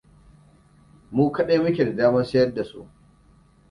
Mu kaɗai muke da damar siyar da su.